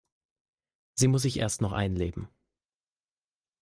Sie muss sich erst noch einleben.